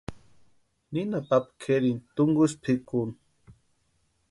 Ninha papa kʼerini túnkusï pʼikuni.